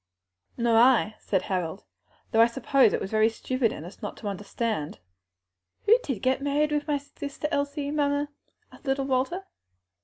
"Nor I," said Harold; "though I suppose it was very stupid in us not to understand." "Who did get married with my sister Elsie, mamma?" asked little Walter.